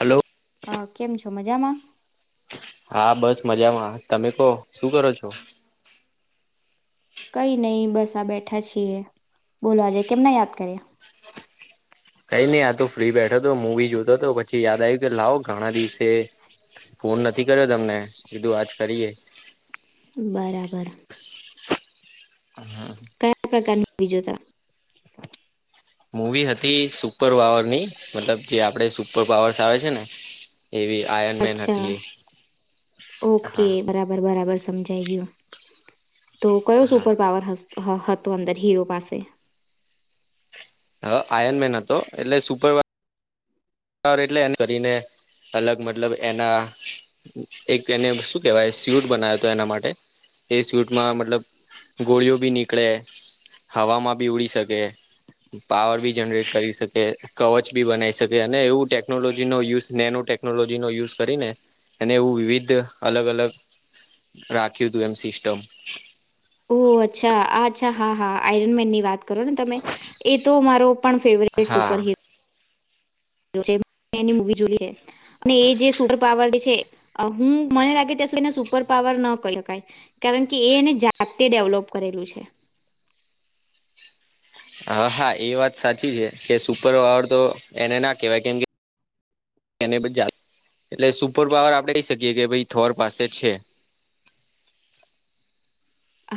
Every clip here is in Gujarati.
હલો. હ કેમ છો મજામાં. હા બસ મજામાં તમે કહો શું કરો છો. કઈ નઈ બસ આ બેઠા છીએ બોલો આજે કેમ ના યાદ કર્યા. કઈ નહી આ તો ફ્રી બેઠો હતો મૂવી જોતો હતો પછી યાદ આવ્યું કે લાવ ઘણા દિવસે ફોન નથી કર્યો તમને કીધું આજ કરીએ. બરાબર. હા હા. કયા પ્રકારની મૂવી જોતા. મૂવી હતી સુપર પાવરની મતલબ જે આપણે સુપર પાવર્સ આવે છે ને. એવી આયાત અચ્છા એ ઓકે હા બરાબર બરાબર સમજ. થઈ ગયું તો કયો હા સુપર પાવર હ હતો અંદર હીરો પાસે. હ આયનમેન હતો એટલે સુપરવા પાવર એટલે એન કરીને અલગ મતલબ એના એક એને શું કેહેવાય સિવઉડ બનાવ્યો હતો એના માટે એ સિવઉડમાં મતલબ ગોળીઓ બી નીકળે હવામાં બી ઉડી શકે. પાવર ભી જનરેટ કરી શકે કવચ બી બનાઈ શકે. અને એવું ટેકનોલોજી નો યુઝ નેનો ટેકનોલોજી નો યુઝ કરી ને. અને એવું વિવિધ અલગ અલગ રાખ્યું હતું એમ સિસ્ટમ. ઓ અચ્છા આચ્છા હા હા આયરન મેન ની વાત કરો ને તમે એ તો મારો પણ ફેવરેટ હા સુપર હિરો જેમ એની મુવી જોઈ ને એ જે સુપર પાવર ની છે અ હું મને લાગે ત્યાં સુધીને સુપર પાવર ન કહી હકાએ કારણ કે એ એને જાતે ડેવલોપ કરેલું છે. હા હા એ વાત સાચી છે કે સુપર પાવર તો એને ના કેવાય કેમ કે એને બધ જાત એટલે સુપર પાવર આપડે કઈ શકીએ કે ભાઈ થોર પાસે છે.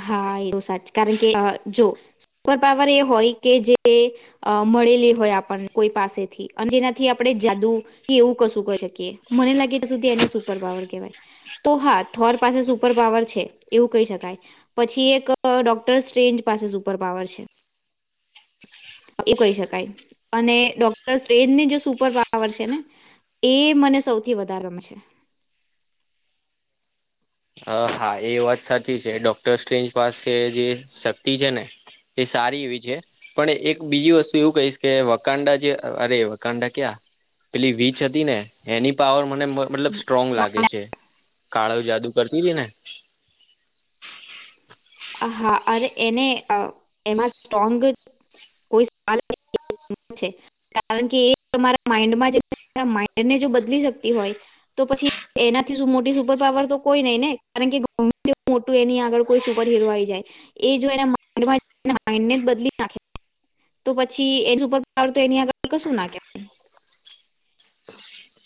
હા એ તો સાચ કારણ કે જો સુપર પાવર એ હોય કે જે અ મળેલી હોય આપણને કોઈ પાસેથી અને જેનાથી આપણે જાદુ કે એવું કશું કહી શકીએ મને લાગે સુધી એને સુપર પાવર કહેવાય. તો હા થોર પાસે સુપર પાવર છે એવું કહી શકાય. પછી એક અ ડોક્ટર ર્સટ્રેન્જ પાસે સુપર પાવર છે. એ કહી શકાય અને ડોક્ટર શ્રેનની જે સુપર પાવર છે ને. એ મને સૌથી વધારે રમ છે. અ હા એ વાત સાચી છે ડોક્ટર સૅટ્રેન્જ પાસે જે શક્તિ છે ને એ સારી એવીજ હે. પણ એક બીજી વસ્તુ એવું કહીશ કે વકાંડા જે અરે વકાંડા ક્યાં પેલી વીચ હતી ને એની પાવર મને મતલબ સ્ટ્રોંગ લાગે છે છે કાળવ જાદુગર ઈ જ ને હા અરે અ એને એમાં સ્ટ્રોંગ કોઈ સલ છે કારણ કે એ તમારા માઈન્ડ માઇન્ડ ને જો બદલી શકતી હોય તો પછી એનાથી શું મોટી સુપર પાવર તો કોઈ નઈ ને કારણ કે એવ મોટું એની આગળ કોઈ શું પર હીરો આઈ જાય એ જો એના માઈન્ડ માઈન્ડ ને જ બદલી નાખે તો પછી એ સુપર પાવર તો એની આગળ કશું ના કેવાય. [inaudible]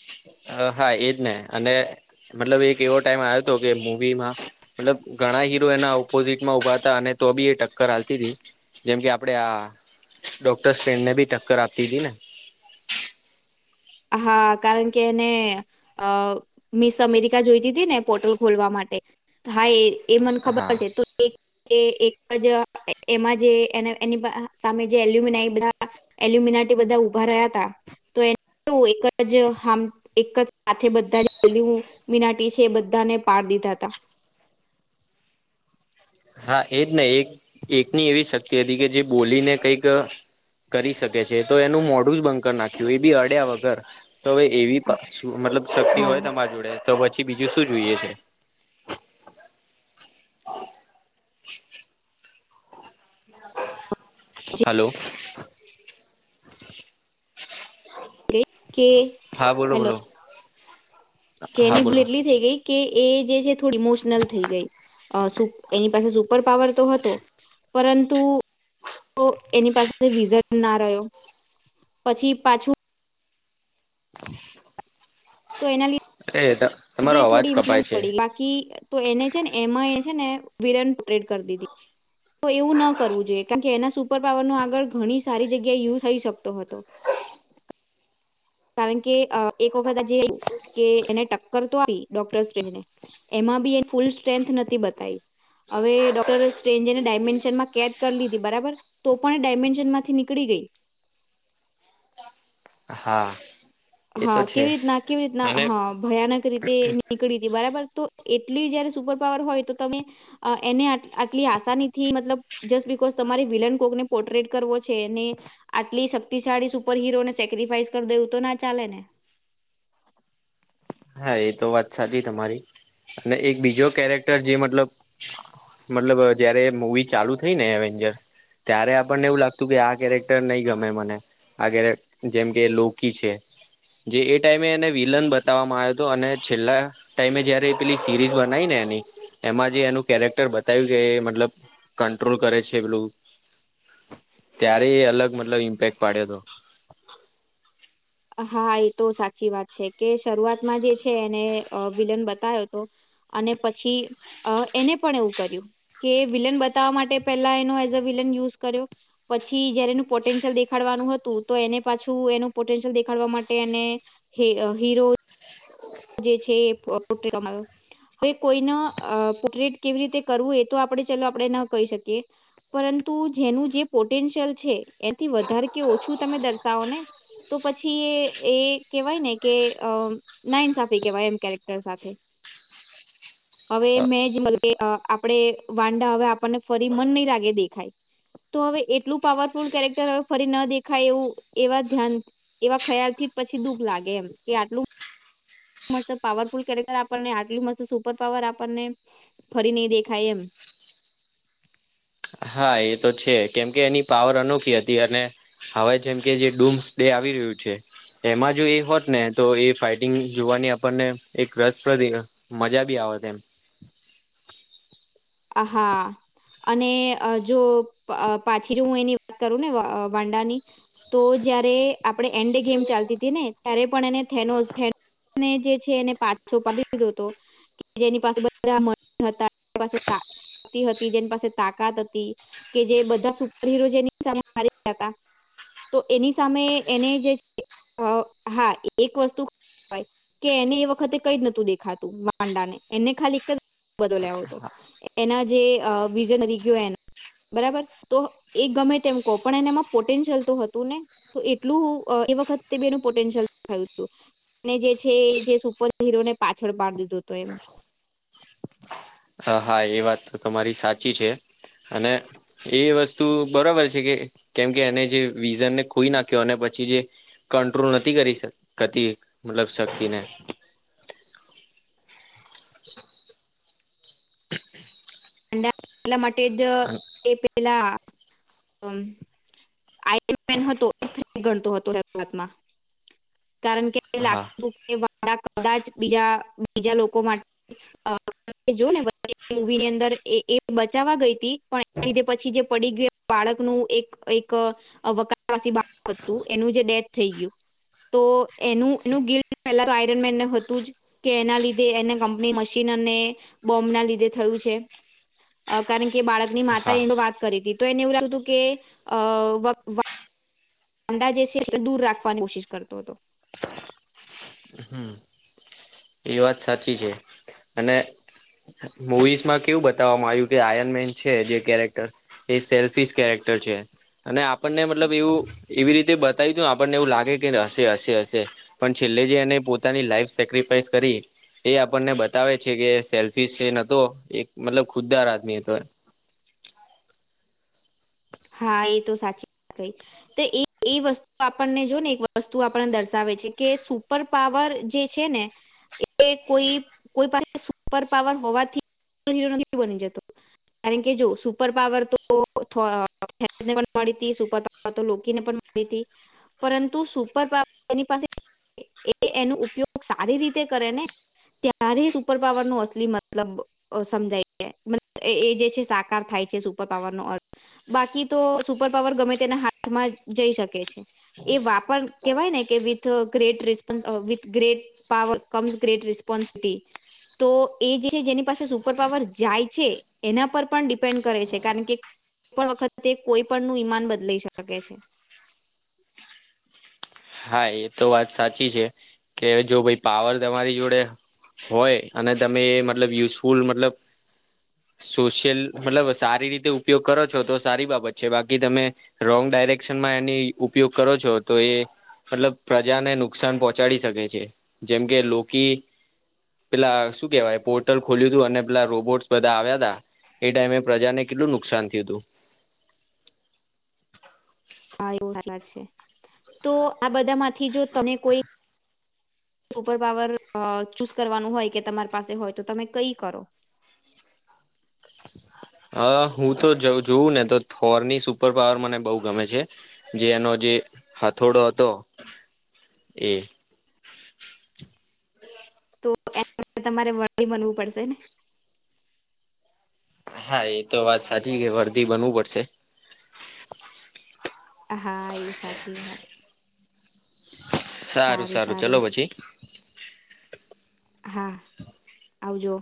હા એજ ને અને મતલબ એક એવો ટાઈમ આયો તો કે મુવીમાં મતલબ ઘણા હીરો એના ઓપોઝિટ માં ઉભા તા અને તો બી એ ટક્કર હાલતી તી જેમ કે આપડે આ ડોક્ટર્સ ફ્રેન્ડને બી ટક્કર આપતી તી ને હા કારણ કે એને અ મિસ અમેરિકા જોઈતી તી ને પોર્ટલ ખોલવા માટે હા એ એ મને ખબર હા છે તું એક જ એક જ એમાં જે એન એની સામે જે એલ્યુમિનાય બધા એલ્યુમિના ટી બધા ઉભા રહ્યા હતા તો એને એક જ હા. એક જ હાથે બધા જ એલ્યુ મીનાટી છે એ બધાને પાડ દીધા તા હા એજ ને એક એકની એવી શક્તિ હતી કે જે બોલીને કઈક કરી શકે છે તો એનું મોઢું જ બંધ કર નાખ્યું એ બી અડ્યા વગર તો હવે એવી પા મતલબ શક્તિ હોય હા તમારા જોડે તો પછી બીજું શું જોઈએ છે જે હલો. કે કે હા બોલો હલો બોલો કે હા એની ભૂલે બોલો એટલી થઈ ગઈ કે એ જે છે થોડી ઇમોશનલ થઈ ગઈ અ શું એની પાસે સુપર પાવર તો હતો પરંતુ તો એની પાસે કઈ રીજન ના રહ્યો પછી પાછું [inaudible] તો એના લીધ અરે તા તમારો અવાજ કપાય છે. ગઈ બાકી તો એને છે ને એમાં એ છે ને વિરન પરેડ કર દીધી. તો એવું ન કરવું જોઈએ કારણ કે એના સુપર પાવર નો આગળ ઘણી સારી જગ્યાએ યુ થઈ શકતો હતો. કારણ કે અ એક વખત આજે કે એને ટક્કર તો આવી ડોક્ટર્સ ટ્રેને એમાં બી એ ફૂલ સ્ટ્રેન્થ નથી બતાઈ હવે ડોક્ટર સ્ટ્રેનજ એને ડાયમેન્શન માં કેદ કરી લીધી બરાબર તો પણ એ ડાયમેન્શન માંથી નીકળી ગઈ હા. એ તો હા છે કેવી રીતના કેવી રીતના અને હા ભયાનક રીતે નીકળી તી બરાબર તો એટલી જયારે સુપર પાવર હોય તો તમે અ એને આટલી આસાનીથી મતલબ જસ્ટ બિકોઝ તમારી વિલન કોક ને પોર્ટ્રેટ કરવો છે એને આટલી શક્તિશાળી સુપર હિરો ને સેક્રિફાઈસ કર દેવું તો ના ચાલે ને હા એ તો વાત સાચી તમારી અને એક બીજો કેરેક્ટર જે મતલબ મતલબ અ જ્યારે મૂવી ચાલુ થઈ ને એડવેનજરશ ત્યારે આપણને એવું લાગતું કે આ કેરેક્ટર નહી ગમે મને આગરે જેમ કે લોકી છે જે એ ટાઈમે એને વિલન બતાવવામાં આયો તો અને છેલ્લા ટાઈમે જયારે એ પેલી સિરીઝ બનાઈ ને એની એમાં જે એનું કેરેક્ટર બતાવ્યું કે મતલબ કંટ્રોલ કરે છે પેલું, ત્યારે એ અલગ મતલબ ઇમ્પેક્ટ પાડ્યો હતો, હા એતો સાચીવાત છે, કે શરૂઆતમાં જે છે, એને અ વિલન બતાયોતો. અને પછી અ એને પણ એવું કર્યું, કેએ વિલન બતાવવા માટે પેલા એનો એઝ અને વિલન યુઝ કર્યો. પછી જયારે એનું પોટેન્શિયલ દેખાડવાનું હતું તો એને પાછું એનું પોટેન્શિય ન દેખાડું, ખાળવામાં માટે એને હીરુ જ, [unintelligible] [inaudible] જે છે, એ હવે કોઈને પોટરેટ કેવી રીતે કરવું એતો આપણે ચલો આપણે ન કહી શકીએ. પરંતુ જેનું જે પોટેન્શિયલ છે, એથી વધારે કે ઓછું તમે દર્શાવોને, તો પછીએ એ કેહેવાય નેકે અ, ના ઇન્સાફી કેહેવાય એમ કેરેક્ટર સાથે. [unintelligible] [inaudible] હવે મેંજ આપણે વાંઢા હવે આપણને ફરી મન નહી લાગે દેખાય. તો હવે એટલું પાવરફુલ કેરેક્ટર હવે ફરી ન દેખાય એવું એવા ધ્યાન, એવા ખ્યાલથી જ પછી દુઃખ લાગે એમ કે આટલું, મસ્ત પાવરફુલ કેરેક્ટર આપણને આટલી મસ્ત પાવર ફરી નહીં દેખાય એમ. હા એતો છે, કેમ કે એની પાવર અનોખી હતી અને, હવે જેમ કે જે ડુમ્સ ડે આવી રહ્યું છે, એમાં જોએ હોત નેતો એ ફાઈટિંગ જોવાની આપણને એક રસપ્રદ, મજા ભી આવેત એમ. આહા. અને જો પાછી હું એની વાત કરું ને વાંઢાની તો જયારે આપણે એન્ડે ગેમ ચાલતી હતી ને ત્યારે પણ એને થાનોસ થાનો, જે છે, એને પાછોપાડી દીધો હતો જેની પાસે બધા મઠ હતા, જેની પાસે હતી જેની પાસે તાકાત હતી. કેજે બધા સુપર હિરો જેની સામે મારીયા હતા. તો એની સામે એને જે છે, હા એક વસ્તુ. કે એને એ વખતે કઈ જ નતું દેખાતું માંડા ને એને ખાલી એક બદલ્યો હતો. એના જે વિઝન થઈ ગયો એના, બરાબર તોએ ગમે તેમ કહો પણ એનામાં પોટેન્શિયલ તો હતું ને. તો એટલું એ વખતે બેનું પોટેન્શિયલ થયું હતું. તમે જે છે, એજે સુપર હીરોને પાછળ પાડી દીધો હતો એમ. હ હા એ વાત તમારી સાચી છે. અને એ વસ્તુ બરોબર છે કે કેમકે એને જે વિઝનને ખોઈ નાખ્યો અને પછી, ચીજે કંટ્રોલ નથી કરી શકતી મતલબ શક્તિને, અંદરથી માટે જ પેલા આઈન એ ગણતો હતો શરૂઆતમાં. કારણ કે હા લાગતું કદાચ બીજા બીજા લોકો માટે, જોને મૂવીની અંદર એ એ બચાવવા ગઈ હતી પણ એના લીધે પછી જે પડી ગયો બાળકનુ એક એકમ, વકારવાસી બા હતું એનું જે ડેથ થઈ ગયું. એનું એનું ગિ પહેલા તો આયરન મેનને હતું. કે એના લીધે એને કંપની મશીન અને બોમ્બના લીધે થયું છે. કારણ કે બાળકની માતા હા એ વાત કરી હતી તો એને એવું લાગ હતું કે અ અંડા જે છે, દુર રાખવાની કોશિસ કરતો હતો. હમ એ વાત સાચી છે અને મુવીઝ માં કેવું બતાવવામાં આવ્યું કે આયન મેન છે જે કેરેક્ટર એ સેલ્ફિસ કેરેક્ટર છે અને આપણને મતલબ એવું એવી રીતે બ બતા આપણને એવું લાગે કે હશે હશે હશે પણ છેલ્લે જે એને પોતાની લાઈફ સેક્રિફાઈસ કરી એ આપણને બતાવે છે કે સેલ્ફી છે નતો. એક મતલબ ખુદાર આદમી હતો એ હા એ તો સાચી [inaudible] કઈ. તો એ એ વસ્તુ આપણને જો ને એક વસ્તુ આપને દર્શાવે છે કે સુપર. પાવર જે છે ને એ કોઈ કોઈ પાસે સુપર પાવર હોવાથી [unintelligible] બની જતો કારણ કે જો સુપર પાવર તો, [unintelligible] મળીતી સુપર પાવર તો લોકીને પણ મળી તિ. પરંતુ સુપર પાવર એની પાસે. એ એનો ઉપયોગ સારી રીતે કરે ને, ત્યારે સુપર પાવર નો અસલી મતલબ. સમજાય એ જે છે સાકાર થાય છે સુપર પાવર નો અર્થ, બાકી તો સુપર પાવર ગમે તેના હાથમાં જઈ શકે છે. એ વાપર કેહેવાય ને કે with great [unintelligible] with great power comes great responsibility તો એ જે છે જેની પાસે સુપર પાવર જાય છે. એના પર પણ ડિપેન્ડ કરે છે કારણ કે, કોઇપણ વખતે તે કોઈ પણ નું ઈમાન બદલાઈ શકે છે. હા એ તો વાત સાચી છે કે જો ભાઈ પાવર તમારી જોડે, હોય અને તમે એ મતલબ યુઝફુલ મતલબ સોશિયલ મતલબ સારી રીતે ઉપયોગ કરો છો તો સારી બાબત છે બાકી તમે રોંગ ડાયરેક્શન માં એની ઉપયોગ કરો છો તો એ, મતલબ પ્રજાને નુકસાન પહોંચાડી શકે છે જેમ કે લોકી, પેલા શું કેવાય પોર્ટલ ખુલ્યુંતું અને પેલા રોબર્ટસ બધા આવ્યા તા, એ ટાઈમે પ્રજાને કેટલું નુકસાન થયું તું. હા એે [unintelligible] તો આ બધા માંથી જો તમે કોઈ સુપર પાવર ચૂઝ કરવાનું હોય કે તમારી પાસે હોય તો તમે કઈ કરો? હું તો જોઉં ને થોરની સુપર પાવર મને બઉ ગમે છે. જે એનો જે હથોડો હતો એ તો એના માટે તમારે વર્ધી બનવું પડશે. હા એ તો વાત સાચી કે વરધી બનવું પડશે. હા એ સાચી [inaudible] સારું સારું ચલો પછી. હા આવજો